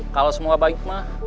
kalau semua baik mah